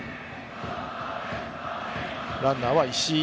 ランナーは石井。